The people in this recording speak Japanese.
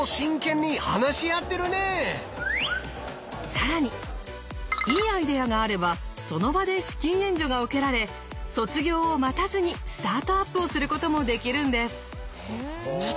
更にいいアイデアがあればその場で資金援助が受けられ卒業を待たずにスタートアップをすることもできるんです。